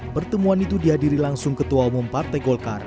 pertemuan itu dihadiri langsung ketua umum partai golkar